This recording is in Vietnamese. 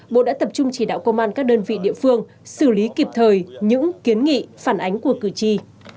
bộ đã tập trung chỉ đạo công an các đơn vị địa phương xử lý kịp thời những kiến nghị phản ánh của cử tri